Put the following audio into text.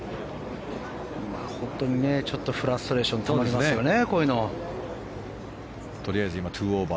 本当にちょっとフラストレーションがたまりますよね。